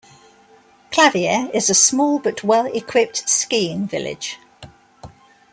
Claviere is a small, but well equipped skiing village.